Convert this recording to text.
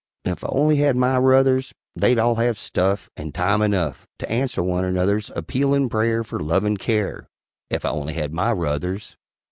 ... Ef I only had my ruthers, They'd all have "stuff" and time enugh To answer one another's Appealin' prayer fer "lovin' care" Ef I only had my ruthers.